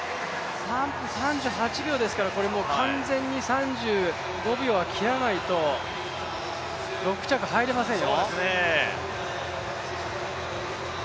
３分３８秒ですから、これはもう完全に３分３５秒を切らないと６着に入れませんよ。